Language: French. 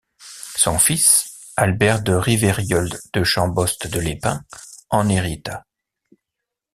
Son fils, Albert de Rivérieulx de Chambost de Lépin, en hérita.